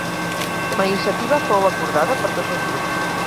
La iniciativa fou acordada per tots els grups.